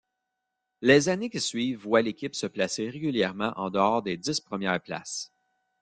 Les années qui suivent voient l'équipe se placer régulièrement en-dehors des dix premières places.